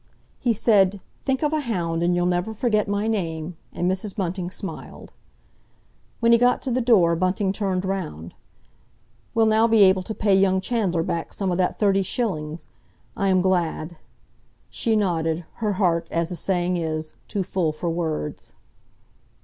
"He said, 'Think of a hound and you'll never forget my name,'" and Mrs. Bunting smiled. When he got to the door, Bunting turned round: "We'll now be able to pay young Chandler back some o' that thirty shillings. I am glad." She nodded; her heart, as the saying is, too full for words.